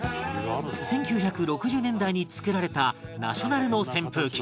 １９６０年代に作られたナショナルの扇風機